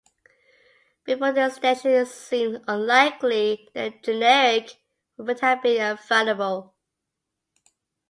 Before the extension it seemed unlikely that a generic would have been available.